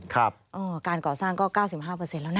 การก่อสร้างก็๙๕แล้วนะ